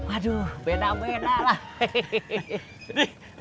aduh beda beda lah